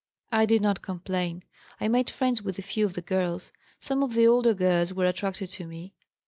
"I did not complain. I made friends with a few of the girls. Some of the older girls were attracted to me.